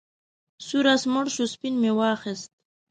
سور آس مړ شو سپین مې واخیست.